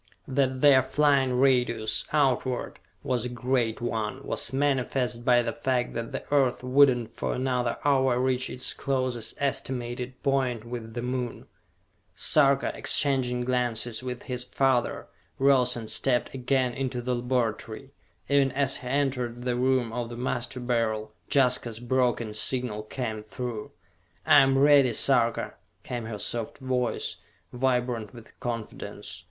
That their flying radius, outward, was a great one, was manifest by the fact that the Earth would not for another hour reach its closest estimated point with the Moon. Sarka, exchanging glances with his father, rose and stepped again into the laboratory. Even as he entered the room of the Master Beryl, Jaska's broken signal came through. "I am ready, Sarka!" came her soft voice, vibrant with confidence.